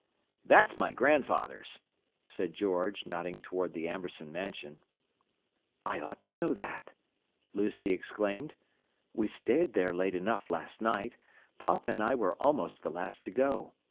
"That's my grandfather's," said George, nodding toward the Amberson Mansion. "I ought to know that!" Lucy exclaimed. "We stayed there late enough last night: papa and I were almost the last to go.